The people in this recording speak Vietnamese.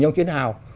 trong chiến hào